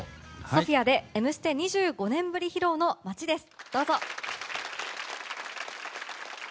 ソフィアで「Ｍステ」２５年ぶり披露の「街」です。